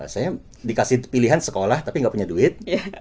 saya dikasih pilihan sekolah tapi nggak punya duit